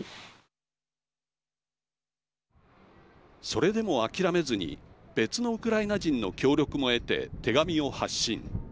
それでも諦めずに別のウクライナ人の協力も得て手紙を発信。